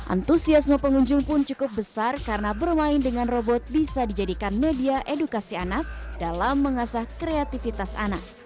antusiasme pengunjung pun cukup besar karena bermain dengan robot bisa dijadikan media edukasi anak dalam mengasah kreativitas anak